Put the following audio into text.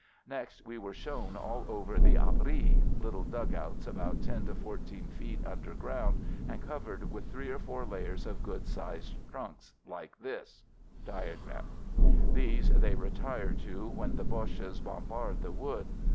Next we were shown all over the "abris" (little dugouts about ten to four FIELD SERVICE 63 teen feet underground and covered with three or four layers of good sized trunks x like this). These they retire to when the Boches bombard the wood.